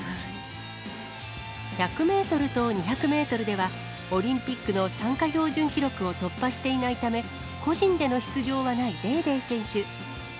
１００メートルと２００メートルでは、オリンピックの参加標準記録を突破していないため、個人での出場はないデーデー選手。